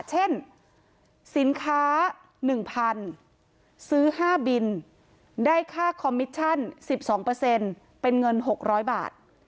เช่นสินค้า๑๐๐๐ซื้อ๕บินได้ค่าคอมมิชชั่น๑๒เป็นเงิน๖๐๐บาท